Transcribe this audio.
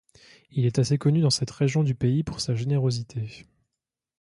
Il est assez connu dans cette région du pays pour sa générosité.